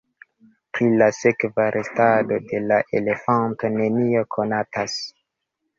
Pri la sekva restado de la elefanto nenio konatas.